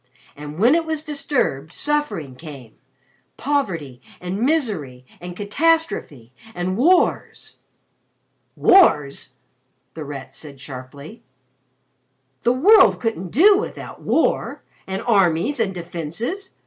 And when it was disturbed, suffering came poverty and misery and catastrophe and wars." "Wars!" The Rat said sharply. "The World couldn't do without war and armies and defences!